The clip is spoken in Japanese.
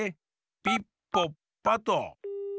ピッポッパッと。